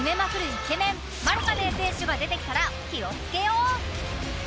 イケメンマルカネン選手が出てきたら気をつけよう！